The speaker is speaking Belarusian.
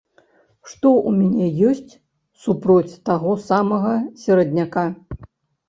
Што ў мяне ёсць супроць таго самага серадняка?